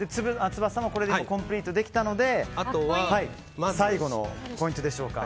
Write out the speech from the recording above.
翼もこれでコンプリートできたのであとは最後のポイントでしょうか。